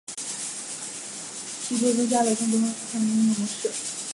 续作增加了更多的泰坦机甲和铁驭武器以及单人故事模式。